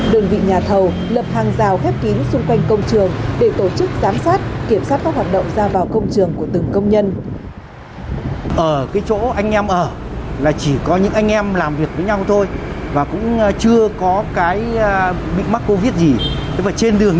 đơn vị nhà thầu lập hàng rào khép kín xung quanh công trường